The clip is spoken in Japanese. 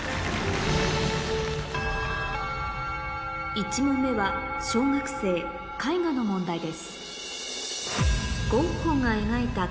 １問目は小学生の問題です